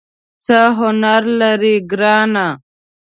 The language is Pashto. څه هنر لرې ګرانه ؟